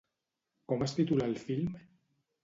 Com es titula el film?